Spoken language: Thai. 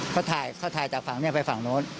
เขาถ่ายจากฝั่งนี้ไปฝั่งโน้น